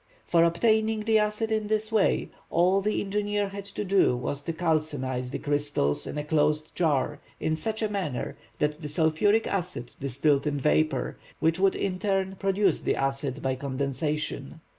For obtaining the acid in this way, all the engineer had to do was to calcinize the crystals in a closed jar in such a manner that the sulphuric acid distilled in vapor, which would in turn produce the acid by condensation.